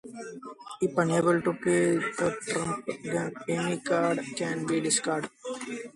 If unable to play a trump, then any card can be discarded.